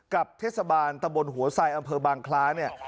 กับเทศบาลตะบนหัวไซดอำเภอบางคล้าเนี่ย